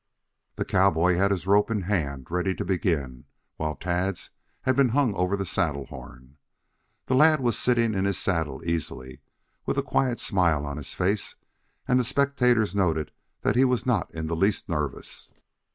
The cowboy had his rope in hand ready to begin, while Tad's had been hung over the saddle horn. The lad was sitting in his saddle easily, with a quiet smile on his face, and the spectators noted that he was not in the least nervous.